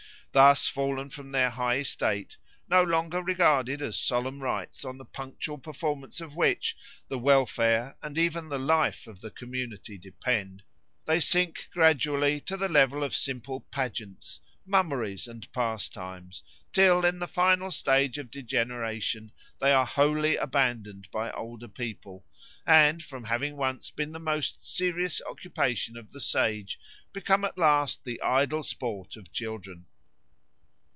Thus fallen from their high estate, no longer regarded as solemn rites on the punctual performance of which the welfare and even the life of the community depend, they sink gradually to the level of simple pageants, mummeries, and pastimes, till in the final stage of degeneration they are wholly abandoned by older people, and, from having once been the most serious occupation of the sage, become at last the idle sport of children.